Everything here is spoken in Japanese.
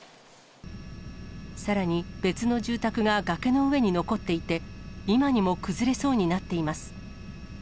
さらに別の住宅が崖の上に残っていて、今にも崩れそうになっています。